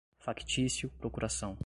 factício, procuração